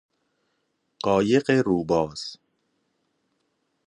قایق رو باز